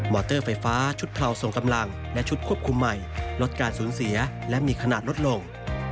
อเตอร์ไฟฟ้าชุดเผาส่งกำลังและชุดควบคุมใหม่ลดการสูญเสียและมีขนาดลดลง